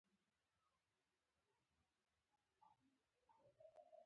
ايا په رښتيا خدای سته؟